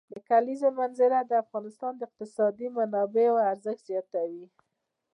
د کلیزو منظره د افغانستان د اقتصادي منابعو ارزښت زیاتوي.